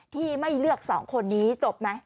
ที่ไม่เลือกสองคนนี้จบไหม